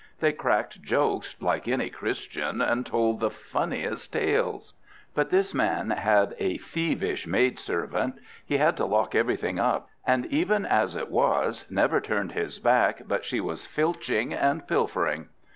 They cracked jokes like any Christian, and told the funniest tales. But this man had a thievish maid servant. He had to lock everything up, and even as it was, never turned his back but she was filching and pilfering.